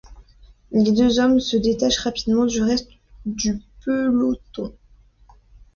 Les deux hommes se détachent rapidement du reste du peloton.